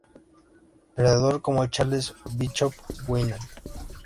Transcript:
Predator, como Charles Bishop Weyland.